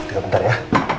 tiga bentar ya